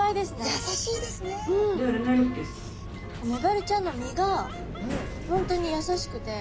メバルちゃんの身が本当に優しくて。